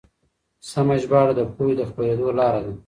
سمه ژباړه د پوهې د خپرېدو لاره ده.